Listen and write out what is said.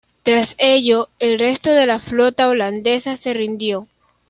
Tras ello, el resto de la flota holandesa se rindió.